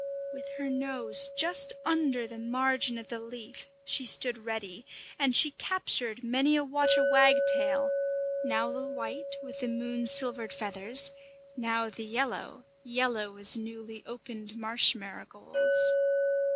With her nose just under the margin of the leaf, she stood ready; and she captured many a water wagtail, now the white with the moon silvered feathers, now the yellow yellow as newly opened marsh marigolds.